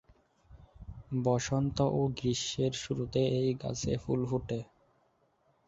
বসন্ত ও গ্রীষ্মের শুরুতে এই গাছে ফুল ফোটে।